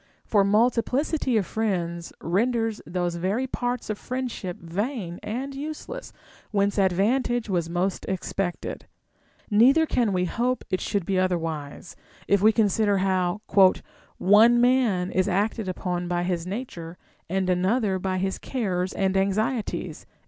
For multi plicity of friends renders those very parts of friendship vain and useless Avhence advantage was most expected ; neither can we hope it should be otherwise, if we consider how " one man is acted upon by his nature and another by his cares and anxieties."